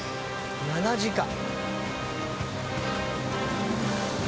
７時間！